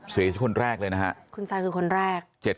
เสียชีวิตคนแรกเลยนะฮะ